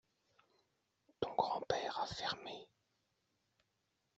Ton grand-père a fermé.